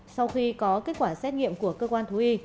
sau khi có kết quả xét nghiệm của cơ quan thú y